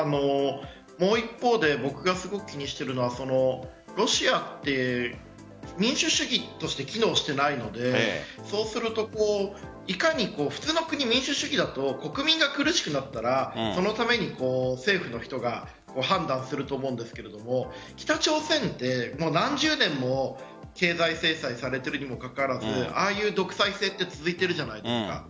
もう一方で僕がすごく気にしているのはロシアは民主主義として機能していないのでそうすると普通の国、民主主義だと国民が苦しくなったらそのために政府の人が判断すると思うんですが北朝鮮は何十年も経済制裁されているにもかかわらずああいう独裁制が続いているじゃないですか。